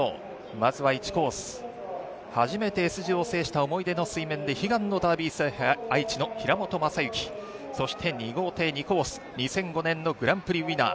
まずは１コース、初めてＳＧを制した思いでの水面で悲願のダービー、愛知の平本真之そして２号艇２コース、２００５年のグランプリウィナー。